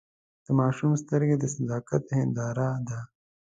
د ماشوم سترګې د صداقت هنداره ده.